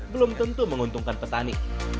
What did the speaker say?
belum tentu menguntungkan petani